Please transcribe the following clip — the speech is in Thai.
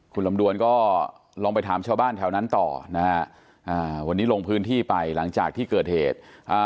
คุณลำดวนก็ลองไปถามชาวบ้านแถวนั้นต่อนะฮะอ่าวันนี้ลงพื้นที่ไปหลังจากที่เกิดเหตุอ่า